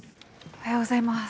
おはようございます。